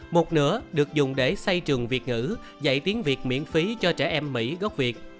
một nửa được dùng để xây trường việt ngữ dạy tiếng việt miễn phí cho trẻ em mỹ gốc việt